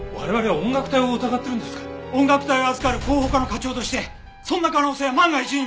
音楽隊を預かる広報課の課長としてそんな可能性は万が一にも。